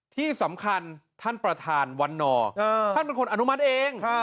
ที่สำคัญท่านประธานวันนอร์ท่านเป็นคนอนุมัติเอง